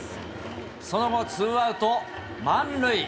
その後、ツーアウト満塁。